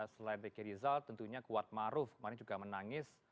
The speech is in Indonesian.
selain ricky rizal tentunya kuat maruf kemarin juga menangis